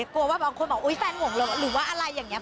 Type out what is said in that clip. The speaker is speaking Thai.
กลัวว่าบางคนบอกไว้แฟนห่วงหล่งหรือว่าอะไรอย่างเงี้ย